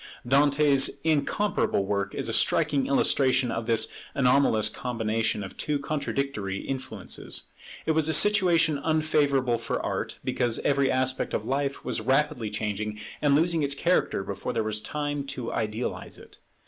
Dante's incomparable work is a striking illustration of this anomalous combination of two contradictory influences. It was a situation unfavourable for art, because every aspect of life was rapidly changing and losing its character before there was time to idealize it.